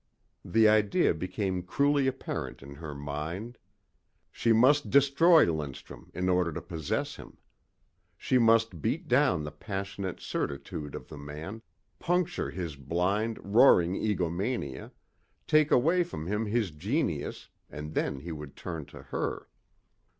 The idea became cruelly apparent in her mind. She must destroy Lindstrum in order to possess him. She must beat down the passionate certitude of the man, puncture his blind, roaring egomania, take away from him his genius and then he would turn to her.